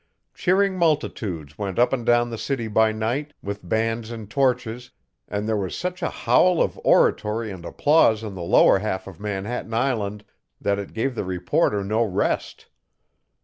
Cheering multitudes went up and down the city by night, with bands and torches, and there was such a howl of oratory and applause on the lower half of Manhattan Island that it gave the reporter no rest.